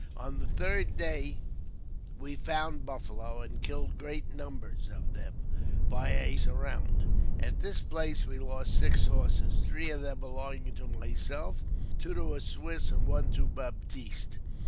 On the third day we found buffalo, and killed great numbers of them by a " surround." At this place we lost six horses, three of them belonging to myself, two to a Swiss, and one to Baptiste.